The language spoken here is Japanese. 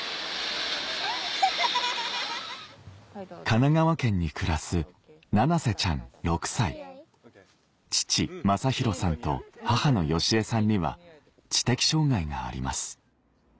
神奈川県に暮らすななせちゃん６歳父まさひろさんと母のよしえさんには知的障害があります